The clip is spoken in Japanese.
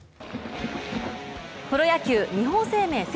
プロ野球日本生命セ